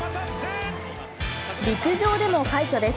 陸上でも快挙です。